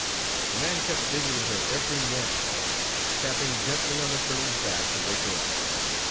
The man kept visiting her every morning, however, tapping gently on the turtle's back to wake her up.